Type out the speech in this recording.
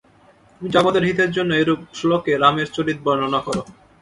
তুমি জগতের হিতের জন্য এইরূপ শ্লোকে রামের চরিত বর্ণনা কর।